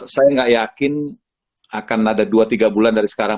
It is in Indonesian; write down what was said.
saya nggak yakin akan ada dua tiga bulan dari sekarang